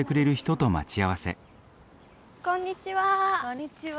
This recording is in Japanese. こんにちは。